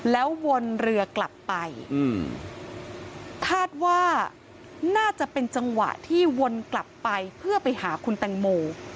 แล้ววนเรือกลับไปคาดว่าน่าจะเป็นจังหวะที่วนกลับไปเพื่อไปหาคุณแตงโม